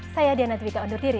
saya diana dwi ka undur diri